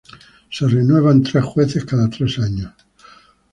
Se renuevan tres jueces cada tres años.